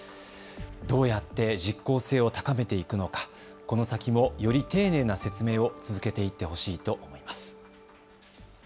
どうやって実効性を高めていくのか、この先も、より丁寧な説明を続けていってほしいと思います。